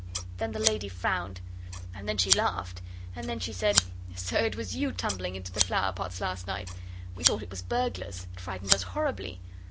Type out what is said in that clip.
Then the lady frowned and then she laughed, and then she said 'So it was you tumbling into the flower pots last night? We thought it was burglars. It frightened us horribly.